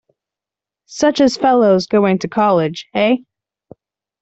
Such as fellows going to college, hey?